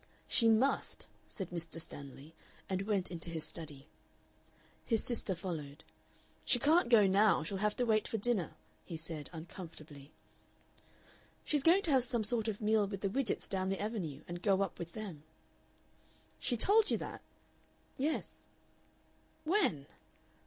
"She must," said Mr. Stanley, and went into his study. His sister followed. "She can't go now. She'll have to wait for dinner," he said, uncomfortably. "She's going to have some sort of meal with the Widgetts down the Avenue, and go up with them. "She told you that?" "Yes." "When?"